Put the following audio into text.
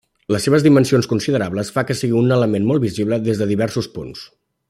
Les seves dimensions considerables fa que sigui un element molt visible des de diversos punts.